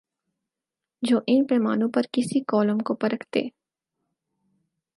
جو ان پیمانوں پر کسی کالم کو پرکھتے